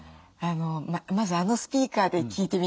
まずあのスピーカーで聴いてみたい。